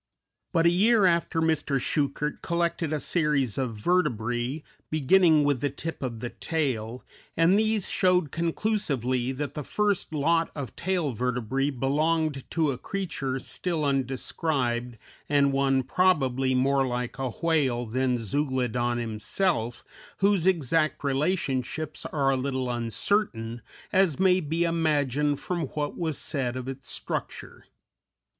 But a year after Mr. Schuchert collected a series of vertebræ, beginning with the tip of the tail, and these showed conclusively that the first lot of tail vertebræ belonged to a creature still undescribed and one probably more like a whale than Zeuglodon himself, whose exact relationships are a little uncertain, as may be imagined from what was said of its structure.